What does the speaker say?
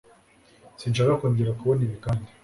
Sinshaka kongera kubona ibi kandi.